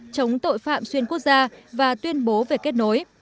chống tội phạm xuyên quốc gia và tuyên bố về kết nối